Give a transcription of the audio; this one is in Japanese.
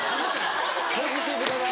ポジティブだな。